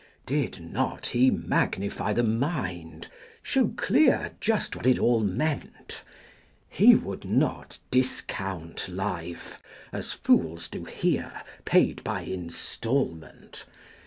Did not he magnify the mind, show clear 105 Just what it all meant? He would not discount life, as fools do here, Paid by installment.